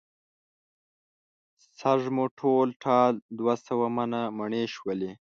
سږ مو ټول ټال دوه سوه منه مڼې شولې.